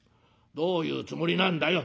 どういうつもりなんだよ」。